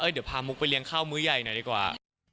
เดี๋ยวพามุกไปเลี้ยข้าวมื้อใหญ่หน่อยดีกว่า